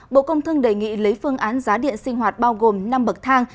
bộ công thương đề nghị lấy phương án giá điện sinh hoạt bao gồm năm bậc thang